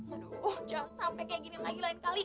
waduh jangan sampai kayak gini lagi lain kali